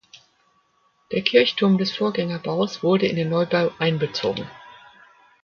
Der Kirchturm des Vorgängerbaus wurde in den Neubau einbezogen.